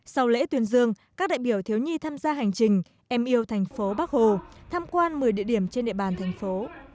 sau lễ tuyên dương các đại biểu thiếu nhi tham gia hành trình em yêu thành phố bắc hồ tham quan một mươi địa điểm trên địa bàn thành phố